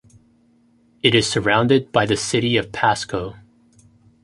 It is surrounded by the city of Pasco.